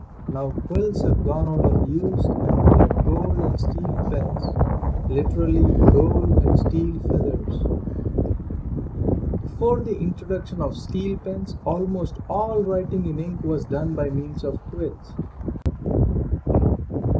Now quills have gone out of use and we have gold and steel pens, literally, gold and steel feathers. Before the introduction of steel pens almost all writing in ink was done by means of quills.